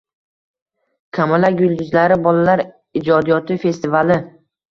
“Kamalak yulduzlari” bolalar ijodiyoti festivali